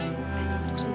eh tunggu sebentar